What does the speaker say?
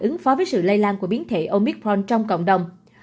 ứng phó với sự lây lan của biến thể omicron trong cộng đồng